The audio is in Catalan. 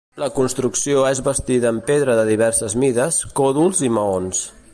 La construcció és bastida amb pedra de diverses mides, còdols i maons.